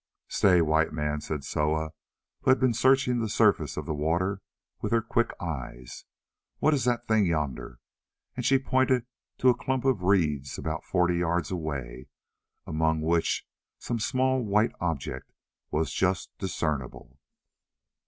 "Stay, White Man," said Soa, who had been searching the surface of the water with her quick eyes, "what is that thing yonder?" and she pointed to a clump of reeds about forty yards away, among which some small white object was just discernible.